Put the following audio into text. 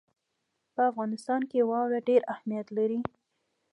په افغانستان کې واوره ډېر اهمیت لري.